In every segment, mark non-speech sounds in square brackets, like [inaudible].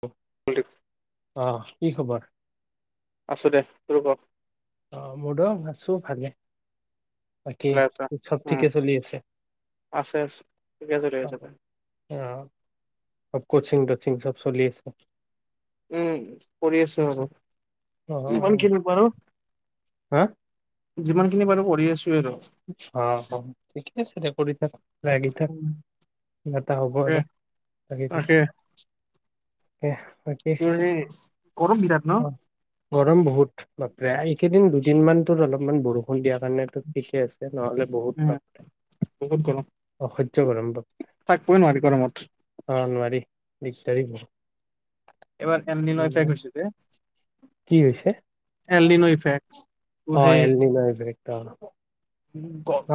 অ, [unintelligible] অহ কি খবৰ? আছো দে বাৰু ক অ মোৰো আছো ভালে বাকি ভালে আছা চব উম থিকে চলি আছে আছে আছে ঠিকে চলি আছে দে সব কচিং চব চলি আছে উম কৰি আছো আৰু। অ', কিমান অ', কিন পাৰ?? হা? যিমান খিনি পাৰু কৰি আছো। আৰু অ, হ। কৰি থাক। লাগি থাক, উম, নটা হ'ব। তাকে আৰু লাগি থাক। তাকে তাকে তাকে, তোৰ সেই গৰম বিৰাট ন অ গৰম বহুত। বাপৰে! এইকেইদিন দুদিনমান ত অলপমান বৰষুণ দিয়া কাৰণে। ঠিকে আছে। নহলে বহুত উম পাপ। বহুত গৰম অসহ্য গৰমাপ। থাকিবই নোৱাৰি গৰমত অ ন বিচাৰি এইবাৰ এললিনফেক হৈছে যে, কি হৈছে? এলিনফেক উ অ', এল সেই- নিনো ইফেক্ট অ। উ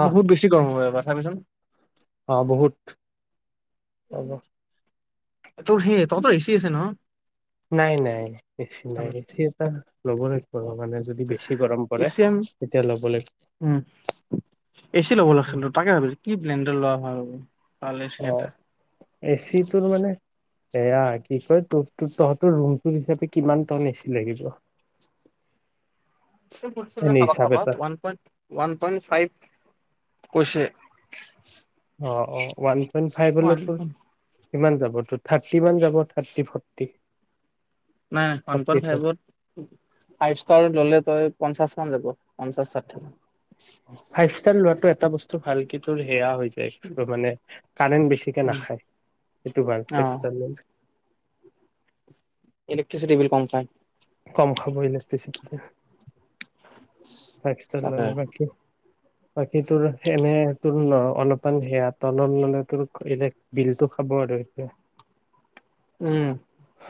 অ', বহুত বেছি গৰম হব আমাৰ ভাবিচোন। অ বহুত। তোৰ সেই তহত হেঁচি আছে ন? নাই, নাই। বেছি নাই বেছিটা ল'ব লাগে এ চিম, তেতিয়া ল'ব লাগিব উম। এচি ল'ব লাগিছিল, ত তাকে ভাবিছ কি ব্ৰেণ্ডৰ লোৱা হয়? অ! এচি তোৰ মানে? এয়া, কি কয় তোৰ তহঁতৰ ৰুমটো হিচাপে কিমান টন এচি লাগিব? এনে কাবাক হিচাপ এটা কাবাক। One point, one point five. কৈছে? অ', অ। ৱান? ওৱান ভাই বলে ত কিমান যাব? ত, থাৰ্টি মান যাব থাৰ্টি ফৰ্টি? নাই, ওৱান ফৰ্টি পৱেণ্ট ফাইভত ফাইভ ষ্টাৰ ললে তই। পঞ্চাশ মান যাব, পঞ্চাশ, ষাঠি ফাইভ ষ্টাৰ লোৱাটো এটা বস্তু ভাল কি তোৰ সেয়া হৈ মানে কাৰেণ্ট বেছিকে নাখায়, অ সেইটো [unintelligible] ইলেকট্ৰিচিটি বিল কম খায়। কম খাব ইলেক্ট্ৰিচিটতে। ফেসটাইল তাকে লে বাকী বাকী তোৰ এনে তোৰ ন অনুপাণ সেয়া তলল নলটোৰ ইলে বিলটো খাব আৰু উম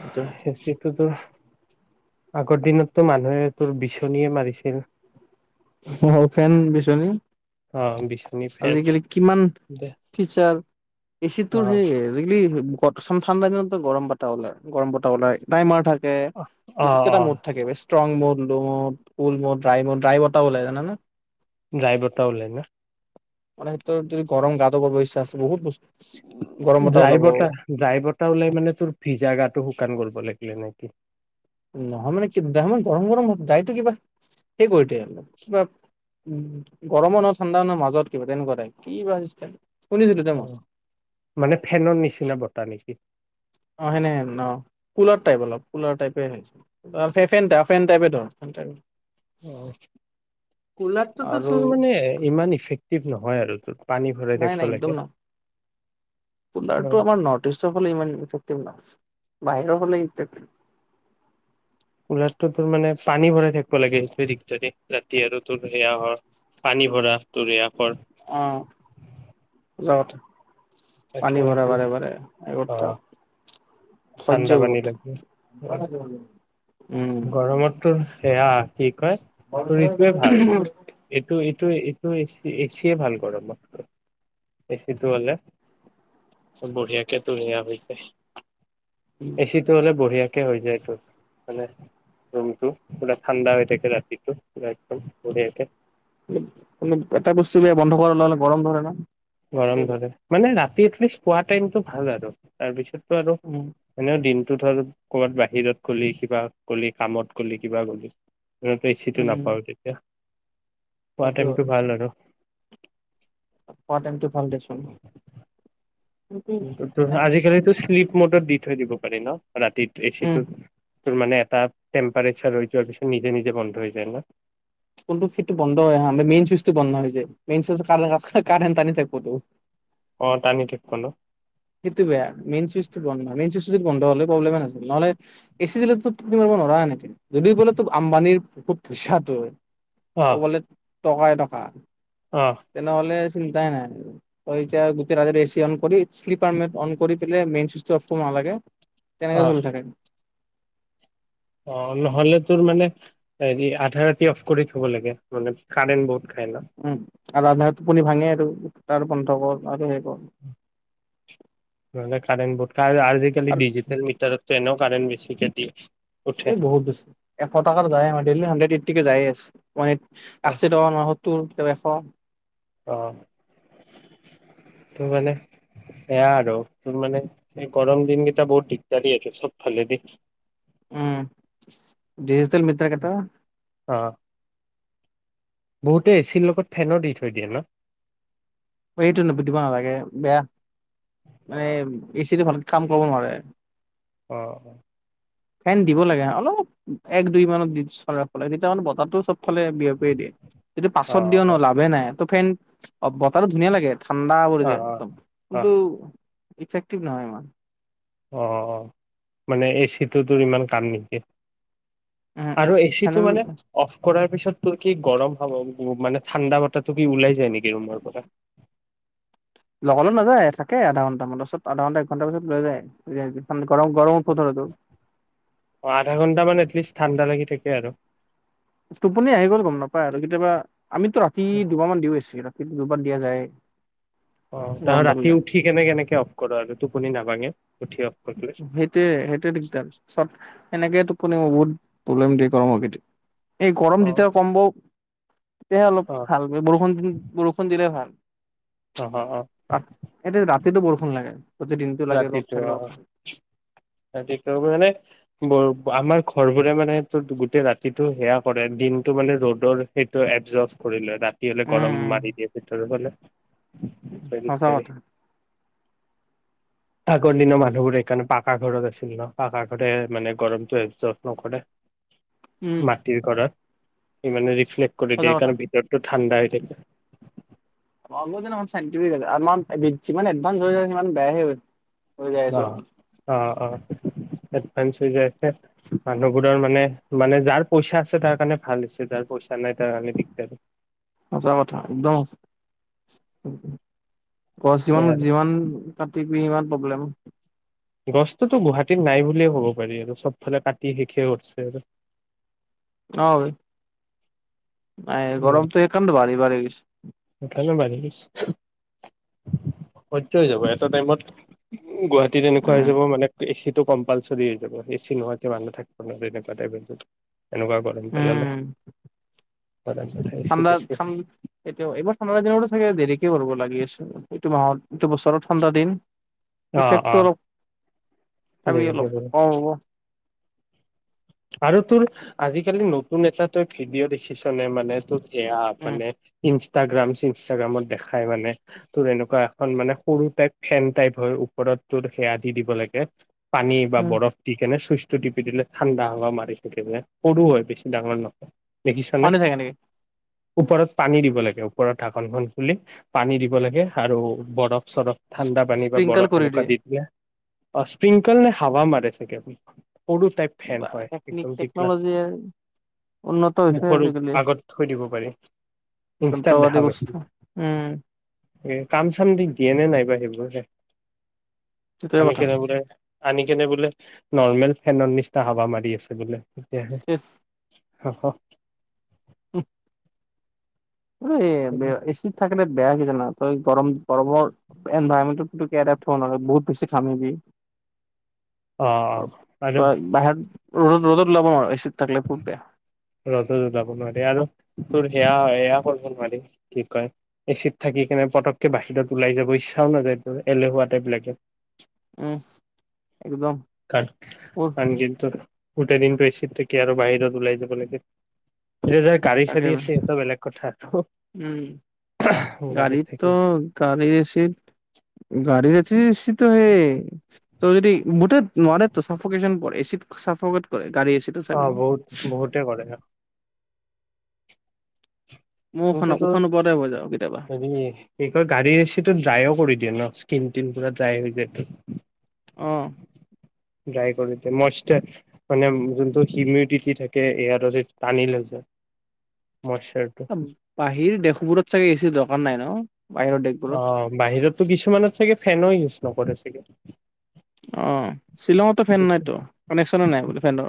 সেইটো সেতটোতো আগৰ দিনতটো মানুহে তোৰ বিচনীয়ে মাৰিছিল। অ', ফেন বিচনী, অ বিচনী ফেন আজিকালি কিমান দে ফিচাৰ। এ অ চিটোৰ হেই আজিকালি [inaudible] [unintelligible] ঠাণ্ডা দিনতটো গমৰ বাতা ওলাই, গৰম বতাহ ওলাই নাই মই [inaudible] তে অ অ বহুতকেইটা মুদ থাকে বেছ strong mode load, full mode dry mode ড্ৰাইভত ওলাই জানা না? ডাইভৰটা ওলাই ন'? মানে তৰ যদি গৰম গাতো কৰবো ইচ্ছা আছে বহুত বচ ড্ৰাই বতাহ, ডাই বতাহ ওলাই মানে তোৰ ভিজা গাতো শুকান গ'ল বোলে। [unintelligible] নেকি নহয় মানে কি, দেহা ইমান গৰম গৰম হ যায়টো কিবা সেই কৰিতোৱে অলপ কিবা উ, গৰমৰ ন' ঠাণ্ডা ন' মাজত কিবা তেনেকুৱা তাইপ, কিবা চিষ্টেম। শুনিছিলো দে মই অ', মানে ফেনৰ নিচিনা বতাহ নেকি? অ', সেনে হেন অ', কুলাৰ টাইপ অলপ, কুলাৰ টাইপ হৈছে আৰ ফেনটা ফেন টাইপে ধৰ, ফেন [inaudible] কুলাৰটোতো আৰু তোৰ মানে ইমান ইফেক্টিভ নহয় আৰু তোৰ পানী ভৰাই নাই নাই থাকিব একদম লাগে। ন অ কুলাৰটো আমাৰ নৰ্থ ইষ্টৰফালে ইমান ইফেক্টিভ নাই। বাহিৰৰ ফালে ইফেক কুলাৰটো তোৰ মানে পানী ভৰাই থাকিব লাগে [inaudible] আৰু তোৰ সেয়া হয়, পানী ভৰা তৰি আকৰ আহা যোৱাতে, তাকে পানী ভৰা আৰু বাৰে বাৰে, অ ঠাণ্ডা অসহ্য পানী বহুত লাগে গৰমততো সেয়া কয় শৰীৰটোৱে উম ভাল, এইটো এইটো এচিয়ে ভাল গৰমত এচিটো হলে, বঢ়িয়া কে তৰিীয়াাবিক এচিটো হলে বঢ়িয়া হৈ যায় ত মানে ৰুমটো পূৰা ঠাণ্ডা হৈ থাকে ৰাতিটো পৰা একদমৰি থাকে এটা বস্তু বেয়া বন্ধ কৰা ললে গৰম ধৰে ন গৰম ধৰে মানে ৰা লিষ্ট পোৱা াইমো ভাল আৰু তাৰপিছত আৰু উম, এনেও দিন ধৰ ক'বাত বাহিৰত গ'ল কিবা কল কামত গল কিবা গলি ত পই চিটো উম, উম। নাপাবওঁ তেতিয়া পোৱা সেইটো টাইমটো ভাল আৰু পাটমটো ভাল দেছোন আজিকালিটোো স্লিপ মটৰ দি থৈ দিব পাৰি ন ৰাতিত উম, এছতো তোৰ মানে এটা টেম্পাৰেচাৰ ৰ যোৱাৰ পিছত নিজে নিজে বন্ধ হৈ যায় ন কোনটো সেইটো বন্ধ হয় অহা মেইন চুইচটো বন্ধ হৈছোয় মেইন চুইচাৰেটনি থাকোতো অ টানি ঠিকখনো সেইটো বেয়া মেইন চুইচ বন্ধ মেইন চুই বন্ধ হলে প্ৰব্লেমে নছিল নহলে এ চি জিলো তুম মাৰ নোৱাৰা নেকি যদিও ক'লে তো আম্বানীৰ বহুত পইচা হয় ত অ ব টকাই টকা অ তেনেহ'লে চিন্তাই নাই কতি গোটেই ৰাৰে এছ অন কৰি লিপাৰ কৰি ম চ মালাগে অ তেনেকা চ থাকে অ নহলে তোৰ মানে আধাৰ ৰাতি অফ কৰি থব লাগে মানে কাৰেণ্ট বহুত খাই ল উম আৰু ৰাজধহাৰ টোপনি ভাঙে আৰু তাৰ বন্ধ কৰ আৰু সেই কৰ নহলে কাৰাৰেন বট কাৰ আজিকালি আৰু ডিজিটেল মিটাৰ এনে কাৰাৰেণ্ বেছিকে দিয়ে উঠে এই বহুত বেছি এশ টাত যায় আমাৰ ডেইলি হাণ্ড্ৰেড এইট্টি কে যায় আছে মানে অ আশী টকা মাহত অ' তো মানে সেয়া আৰু তোৰ মানে স গৰম দিনকেইটা বহুত দিগদাৰি, অ' চবফালেদি উম! ডিজিটেল মিটাৰ কিটা অ বহুতে এচিৰ লগত ফেনৰ দি থৈ দিয়ে ন! এইটো দিব নালাগে, বেয়া। অ মানে এ চিত ভাল। কাম কৰিব নোৱাৰে। অ' অ' ফেন দিব লাগে অলপ, এক দুই মানত দি চৰা লাগে তেতিয়া মানে বতাহটো চব লে বিয়পিয়ে দিয়ে যটো অ অ পাছত দিয় ন লাভে নাই। ত' ফেন অব তাতো ধুনীয়া লাগে। ঠাণ্ডা পৰি অ যায় একদম, অ কিন্তু ইফেক্টিভ নহয় ইমান। অ', অ', মানে এচিটো টোৰ ইমান কাম নিদিয়ে। উম আৰু এচিটো ফাইনেল মানে অফ কৰাৰ তাৰপিছত তোৰ কি গৰম হাৱা, মানে ঠাণ্ডা বতাটো কি ওলাই যায় নেকি ৰুমৰ পৰা? লগালগ নাযায়, থাকে আধা ঘণ্টামান, তাৰছত আধা ঘণ্টা এক ঘণ্টা পিছত ওলাই যায়, এ যিখন অ', আধা ঘন্টামান এটলিষ্ট ঠাণ্ডা লাগি থাক কে আৰু। টোপনি আহি গ'ল গম নাপায় আৰু কেতিয়াবা আমিতো ৰাতি দুবাৰ মান দিওঁ এচি, ৰাতিটো দু দিয়া যায়ে। অ', তাৰত ৰাতি উঠি কেনে কেনেকে অফ কৰ আৰু টোপনি নাভাঙে? উঠি অফ কৰিলে সেইটোৱে, সেইটোৱে দিগদাৰ, চব এনেকে টোপনি মই বহুত প্ৰব্লেম দি পাওঁ আৰু কেতিয়া এই অ গৰম যেতিয়া কম্ব তেতিয়াহে অলপ অ ভাল! ! ! ! ! ! ! ! ! ! বৰষুণ-দি বৰষুণ দিলে ভাল। অ অ আহ, এটি [inaudible] তেতো বৰষুণ লাগে। প্ৰতি দিনটো লাগে ৰ'দ থাকিলে [inaudible] অ ৰাতিটো মানে বৰ আমাৰ ঘৰবোৰে মানে সেইটো গোটেই ৰাতিটো সেয়া কৰে, দিনটো মানে ৰ'দৰ সেইটো এবজভ কৰি লয়। ৰা কি হ'লে গৰম মাৰি দিয়ে ভিতৰত ফালে। উ সঁচা কথা। আগৰ দিনৰ মানুহবোৰ সেইকাৰণে পাকাৰ ঘৰত আছিল। ন পাকাৰ ঘৰে মানে গৰমটো এবজ নকৰে। উম মাটিৰ ঘৰত। ইমানে্। কৰি সঁচা দিয়ে কথা কাৰণ ভিতৰতটো ঠাণ্ডা হৈয় থাকে। এমাউন যিমান এডভানস হৈ সিমান বেয়াহে হৈ যাই আছো অহ আমি। অ অ। পাঁ ছ হজাৰ মানুহবোৰৰ মানে মানে যাৰ পইচা আছে তাৰ কাৰণে ভাল হৈছে যাৰ পইচা নাই তাৰ কাৰণে দিগদাৰী সচা কথা একদম সচা। সেয়াই পিমান আৰু যিমান কতি ইমান প্ৰব্লেম গছটোতো গুৱাহাটীত নাই বুলিয়ে ক'ব পাৰি আৰু চবফালে কাটি শেষয়ে কৰিছে। আৰু অ। নাই গৰমটো সেইকাৰণেইটো বাঢ়ি বাঢ়ি গৈছে। স [unintelligible] অসজ্য হৈ যাব এটা টাইমত গুৱাহাটী এনেকুৱা হৈ উম যাব মানে এচিত কম্পালচৰি হৈ যাব এচি নহয় মানুহ থাকিব নোৱাৰ এনেকুৱা টাইপ এনেকুৱা গৰম পেলালে। উম এচি ঠাণ্ডা গেচি- ঠান এতিয়া এইবাৰ ঠাণ্ডা দিনতো দেৰিকে কৰিব লাগি আছে এইটো মাহত এইটো বছৰত ঠাণ্ডা দিন অ', ইফেক্টটো অ', অলপ ভাবি অলপ দেৰিকে অ হ'ব। আৰু তোৰ আজিকালি নতুন এটা তই ভিডিঅ' দেখিছনে মানে তোৰ এয়া আপে উম ই ইনষ্ট্ৰাগ্ৰামত ইনষ্ট্ৰাগ্ৰামত দেখাই মানে তোৰ এনেকুৱা এখন মানে সৰু টাইপ ফেন টাইপ হয় ওপৰত ত সেয়া দি দিব লাগে। পানী বা উম বৰফ কেনে সুস্থ চু দিলে ঠাণ্ডা ডাঙৰ মাৰ চকে যে সৰু হয় বেছি ডাঙৰ নহয়। দেখিছানে? পানী থাকে নেকি ওপৰত পানী দিব লাগে ওপৰত ঢাকনখন খুলি পানী দিব লাগে আৰু বৰফ চৰফ ঠাণ্ডা পানী বা স্প্ৰিংকল বৰফ কৰি এনেকুৱা দি দিয়ে। অ স্প্ৰিংকেল নে হাবা মাৰেছে কে? সৰু টাইপ ফেন বা হয়। টেকনিক একদম যিকলা, টেকনলজিয়ে উন্নত হৈছে মুখৰ উ, আজিকালি আগত থৈ দিব পাৰি। ইনষ্টাত যন্ত্ৰপাতি দেখা বস্তু পাইছিলোঁ। উম এ, কাম চাম দি দিয়ে নে নাইবা? এইবোৰ যে সেইটোৱে আন কথা [unintelligible] আনি কেনে বোলে নৰ্মেল ফেনৰ নিচিনা হাবা মাৰি আছে। বোলে তেতিয়াহে হ হ উম [unintelligible] এ, বে এ চিত থাকিনে বেয়া কিছোনা তই গৰম, গৰমৰ এনভাইৰমেণ্ট থ নয় বহুত বেছি ঘামিবি। অ আৰু আৰু তই বাহিৰ ৰ'দত ওলাব নোৱাৰা। ৰদত য যাব নি আৰু, আৰু তোৰ সেয়া সেয়া কৰিব নোৱাৰি কি কয় এচিড থাকি কেনে পতককে বাহিৰত ওলাই যাব ইচ্ছাও নাযায় তোৰ এলেহুৱা টাইপ বিাকে উম একদম ক উফ কাৰন কিিন্তু গোটেই দিনটো এচিত কি আৰু বাহিৰত ওলাই যাব লাগে এতিয়া যাৰ গাড়ী চাড়ী আছে তাকেবাৰে সেইটো বেলেগ কথা আৰু উম গাড়ীত থাকি গাড়ীৰতো গাড়ীৰ শীত গাড়ীৰ শীত হে ত যদি বুটে নোৱোৱাৰাৰে ত চাফকেশ্যন কৰে চীতাফত কৰে গাড়ী এচিটো অ চাবিচোন বহুত বহুতে কৰে মই উশাহ ন কিন্তুো উশাহ নোপোৱাতে হৈ যাওঁ কেতিয়াবা হেৰি কি কয় গাড়ী ৰেচিটো ড্ৰাই কৰি দিয়ে ন তিন তিিন পৰা যায় হৈ য আহ ড্ৰাই কৰি মইাৰ মানে যোনটো হিউমিডিটি থাকে এয়াৰ টানি লৈ য মইাৰ বাহিৰ দেশবোৰত চাগে এইছিল দক ন নাই ন'। বাহিৰৰ দেশবোৰত অ', বাহিৰতটো কিছুমানত চাগে ফেনো ইউজ নকৰে। ঠিক আছে। অহ। শ্বিলঙতো ফেন নাইতো কানেকশ্যনে নাই বোলে ফেনৰ।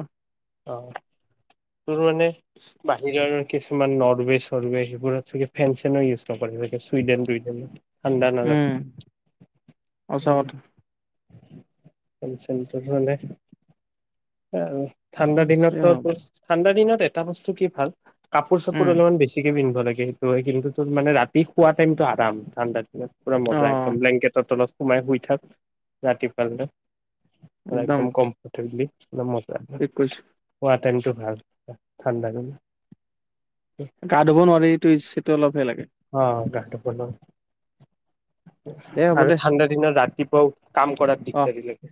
অ', তোৰ মানে বাহিৰত কিছুমান নৰৱে চৰৱে সেবোৰত চাগে ফেন চেনো ইউজ নকৰে চুইডেন টুইডেনত। ঠাণ্ডা নাজাতে উম, সঁচা কথা। চেন্চো [unintelligible] ঠাণ্ডা দিনতো হ'ব তো ঠাণ্ডা দিনত এটা বস্তু কি ভাল। কাপোৰ চাপোৰ উম, অলপমান বেছিকে পিন্ কে সেইটো হয় কিন্তু তোৰ মানে ৰাতি শুৱা টাইমটো আৰাম ঠাণ্ডাৰ দিনত। পুৰা মজা একদম অ', ব্লেংকটত তলত সোমাই শুই থাক ৰাতি ফালে একদম কমফৰ্টেবলি। নমস্কাৰ। ঠিক কৈছে তাৰ টেণ্টতো ভাল [unintelligible] ঠাণ্ডা গা ধুব নোৱাৰি! এইটো এচিটো অলপহে লাগে। অ' গা ধুব নোৱাৰোঁ। দে হ'ব আৰু দে ঠাণ্ডা দিনত ৰাতি অউ। কাম কৰাত অ', দিগদাৰি লাগে।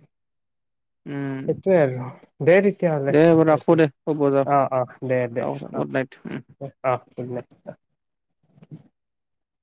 উম, সেইটোৱে আৰু দে তেতিয়াহ'লে দে হ'ব ৰাখো বাকী, দে শুব অ'-অ', দে-দে, যাওঁ আহ! গুড নাইট উম। দে আহ। Good night.